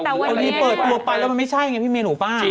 แต่พอดีเปิดตัวไปแล้วมันไม่ใช่ไงพี่เมียหนูป้า